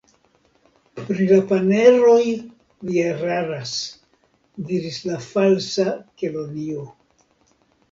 "Pri la paneroj vi eraras," diris la Falsa Kelonio.